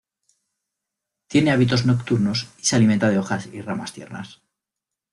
Tiene hábitos nocturnos y se alimenta de hojas y ramas tiernas.